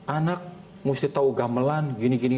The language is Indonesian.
anak mesti tahu gamelan gini gini